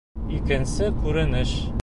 ИКЕНСЕ КҮРЕНЕШ